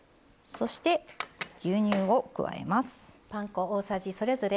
そして、牛乳を加えます。